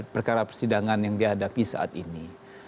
perkara persidangan yang dihadapi saat ini